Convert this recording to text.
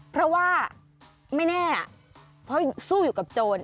เพราะว่าไม่แน่เพราะสู้อยู่กับโจร